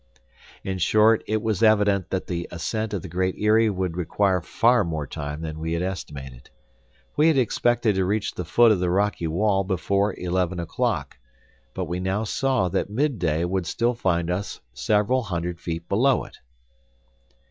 In short, it was evident that the ascent of the Great Eyrie would require far more time than we had estimated. We had expected to reach the foot of the rocky wall before eleven o'clock, but we now saw that mid day would still find us several hundred feet below it.